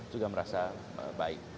juga merasa baik